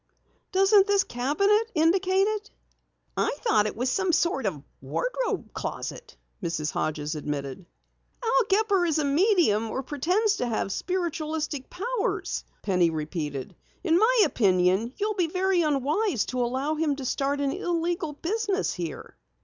"Doesn't this cabinet indicate it?" "I thought it was some sort of wardrobe closet," Mrs. Hodges admitted. "Al Gepper is a medium, or pretends to have spiritualistic powers," Penny repeated. "In my opinion you'll be very unwise to allow him to start an illegal business here."